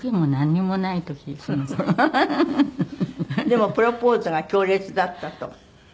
でもプロポーズが強烈だったとか。